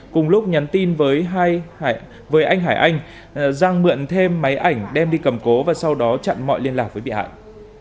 cùng lúc nhắn tin với anh hải anh giang mượn thêm máy ảnh đem đi cầm cố và sau đó chặn mọi liên lạc với bị hại